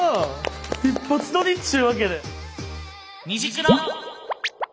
一発撮りっちゅうわけで！